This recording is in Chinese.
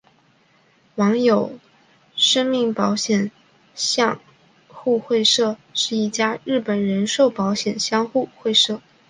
住友生命保险相互会社是一家日本人寿保险相互会社。